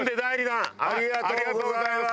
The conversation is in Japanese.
ありがとうございます。